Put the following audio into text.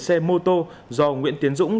xe mô tô do nguyễn tiến dũng